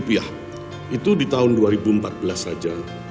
itu di tahun dua ribu empat belas saja